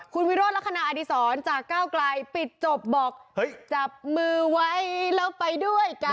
คุณวิโรธลักษณะอดีศรจากก้าวไกลปิดจบบอกเฮ้ยจับมือไว้แล้วไปด้วยกัน